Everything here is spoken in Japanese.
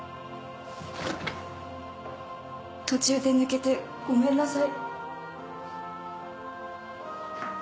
途中で抜けてごめんなさい。